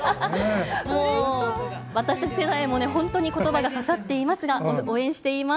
私たち世代も本当にことばが刺さっていますが、応援しています。